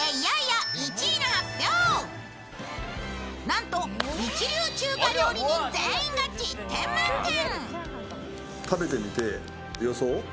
なんと一流中華料理人全員が１０点満点。